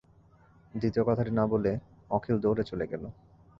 দ্বিতীয় কথাটি না বলে অখিল দৌড়ে চলে গেল।